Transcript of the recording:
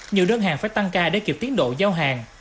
nhiều đơn hàng phải tăng ca để kịp tiến độ giao hàng